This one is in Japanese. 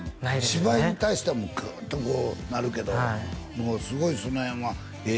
芝居に対してはグッとこうなるけどはいすごいその辺はええ